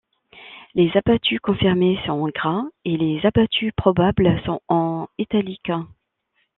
Les abattus confirmés sont en gras et les abattus probables sont en italique.